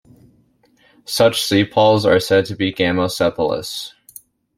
Such sepals are said to be gamosepalous.